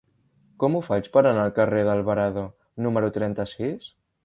Com ho faig per anar al carrer d'Alvarado número trenta-sis?